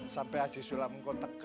sampai aja sulam kau teka